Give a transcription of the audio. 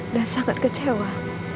dan sangat kecewa